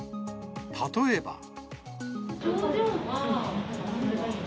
例えば。